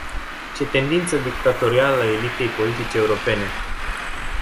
Ce tendință dictatorială a elitei politice europene!